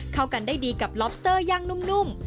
เข้ากันได้ดีกับล็อบสเตอร์ย่างนุ่ม